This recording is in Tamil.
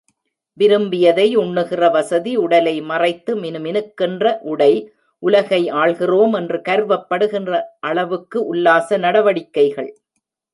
விரும்பியதை உண்ணுகிற வசதி உடலை மறைத்து மினுமினுக்கின்ற உடை, உலகை ஆள்கிறோம் என்று கர்வப்படுகிற அளவுக்கு உல்லாச நடவடிக்கைகள்.